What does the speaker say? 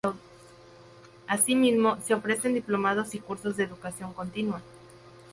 Asimismo, se ofrecen diplomados y cursos de educación continua.